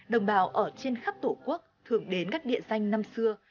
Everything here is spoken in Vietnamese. đồng bào ở trên khắp tổ quốc thường đến các địa danh năm xưa